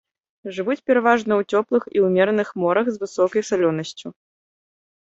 Жывуць пераважна ў цёплых і ўмераных морах з высокай салёнасцю.